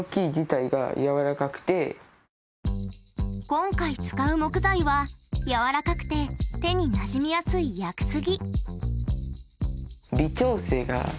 今回使う木材は柔らかくて手になじみやすい屋久杉。